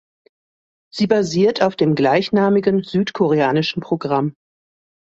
Sie basiert auf dem gleichnamigen südkoreanischen Programm.